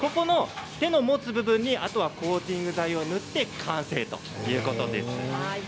手の持つ部分にあとはコーティング剤を塗って完成ということです。